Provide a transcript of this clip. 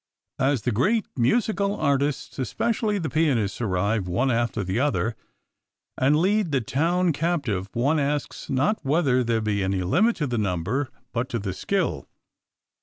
As the great musical artists, especially the pianists, arrive one after the other, and lead the town captive, one asks, not whether there be any limit to the number, but to the skill.